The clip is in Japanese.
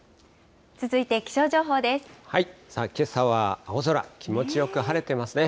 けさは青空、気持ちよく晴れてますね。